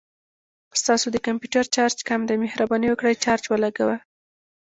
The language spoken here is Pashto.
ستاسو د کمپوټر چارج کم دی، مهرباني وکړه چارج ولګوه